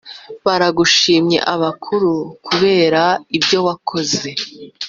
baragushimye abakuru kubera ibyo wakoze